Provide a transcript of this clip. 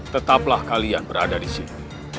tetaplah kalian berada disini